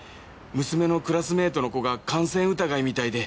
娘のクラスメイトの子が感染疑いみたいで。